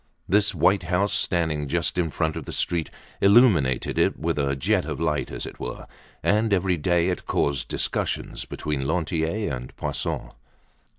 This white house, standing just in front of the street, illuminated it with a jet of light, as it were, and every day it caused discussions between Lantier and Poisson.